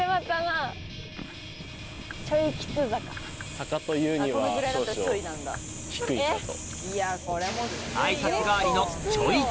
坂というには少々低いかと。